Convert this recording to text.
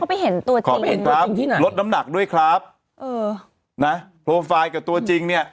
ไปเห็นตัวจริงที่ไหนลดน้ำหนักด้วยครับเออนะโปรไฟล์กับตัวจริงเนี่ย